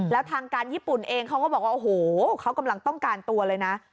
แล้วทางการญี่ปุ่นเองเขาก็บอกว่าโอ้โหเขากำลังต้องการตัวเลยนะ